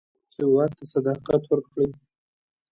هېواد ته صداقت ورکړئ